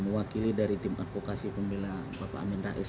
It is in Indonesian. mewakili dari tim advokasi pemila bapak amin rais